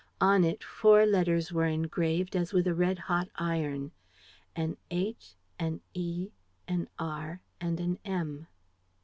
On it four letters were engraved as with a red hot iron: an H, an E, an R and an M.